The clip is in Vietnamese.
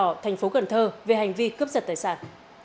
nguyễn hữu quyên đã đặt bản thơ về hành vi cướp giật tài sản